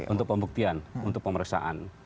untuk pembuktian untuk pemersaan